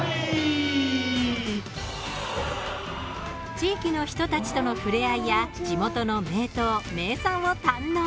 地域の人たちとの触れ合いや地元の名湯、名産を堪能。